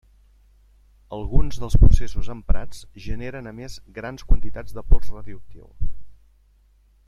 Alguns dels processos emprats generen a més grans quantitats de pols radioactiu.